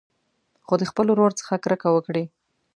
خو د خپل ورور څخه کرکه وکړي.